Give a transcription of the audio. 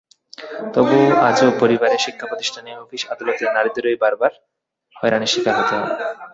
তবু আজও পরিবারে, শিক্ষাপ্রতিষ্ঠানে, অফিস-আদালতে নারীদেরই বারবার হয়রানির শিকার হতে হয়।